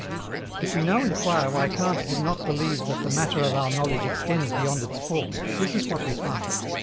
If now we inquire why Kant did not believe that the matter of our knowledge extends beyond its form, this is what we find.